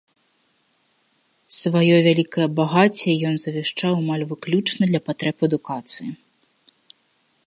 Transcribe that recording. Сваё вялікае багацце ён завяшчаў амаль выключна для патрэб адукацыі.